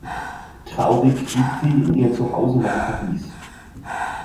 Traurig flieht sie in ihr Zuhause nach Paris.